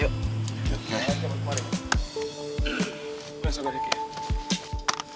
coba sabar dikit ya